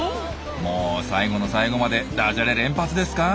もう最後の最後までダジャレ連発ですか？